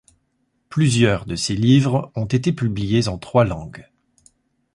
Plusieurs de ses livres ont été publiés en trois langues.